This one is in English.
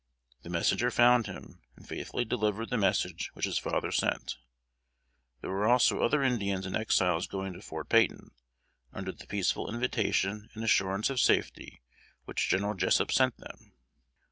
The messenger found him, and faithfully delivered the message which his father sent. There were also other Indians and Exiles going to Fort Peyton, under the peaceful invitation and assurance of safety which General Jessup sent them.